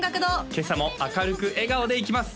今朝も明るく笑顔でいきます